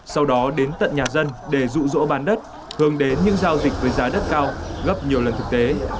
sau đó đến tận nhà dân để rụ rỗ bán đất hướng đến những giao dịch với giá đất cao gấp nhiều lần thực tế